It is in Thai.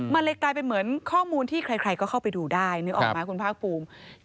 มันเลยกลายเป็นเหมือนข้อมูลที่ใครก็เข้าไปดูได้นึกออกไหมคุณภาคภูมิ